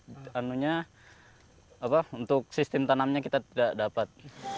dan untuk sistem tanamnya kita tidak dapat